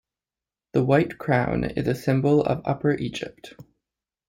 The white crown is a symbol of Upper Egypt.